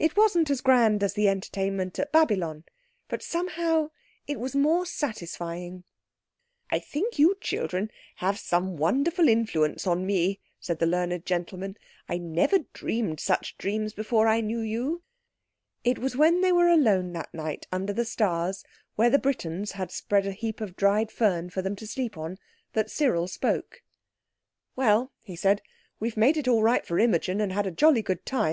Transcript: It wasn't as grand as the entertainment at Babylon, but somehow it was more satisfying. "I think you children have some wonderful influence on me," said the learned gentleman. "I never dreamed such dreams before I knew you." It was when they were alone that night under the stars where the Britons had spread a heap Of dried fern for them to sleep on, that Cyril spoke. "Well," he said, "we've made it all right for Imogen, and had a jolly good time.